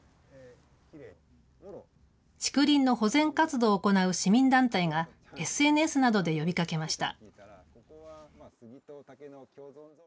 竹林の保全活動を行う市民団体が、ＳＮＳなどで呼びかけました。